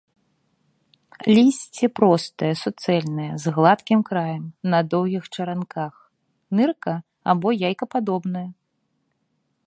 Лісце простае, суцэльнае, з гладкім краем, на доўгіх чаранках, нырка- або яйкападобнае.